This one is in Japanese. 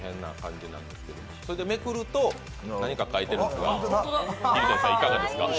めくると何か書いてるんですが。